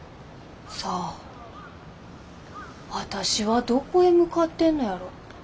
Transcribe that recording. さあ私はどこへ向かってんのやろ。